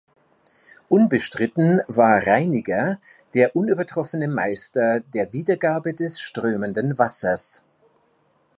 Unbestritten war Reiniger der unübertroffene Meister der Wiedergabe des strömenden Wassers.